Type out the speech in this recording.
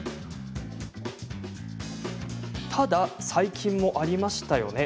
ただ、最近もありましたよね。